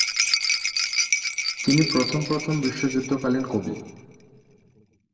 তিনি প্রথম প্রথম বিশ্বযুদ্ধকালীন কবি।